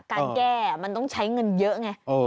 การแก้มันต้องใช้เงินเยอะไง